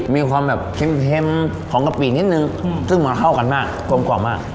มีความแบบเข้มเข้มของกะปินิดหนึ่งซึ่งมาเข้ากันมากกลมกลอบมาก